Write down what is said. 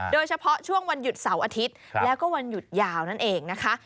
โดยเฉพาะช่วงวันหยุดเสาร์อาทิตย์แล้วก็วันหยุดยาวนั่นเองนะคะ